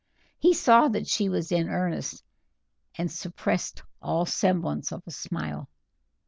He saw that she was in earnest, and suppressed all semblance of a smile.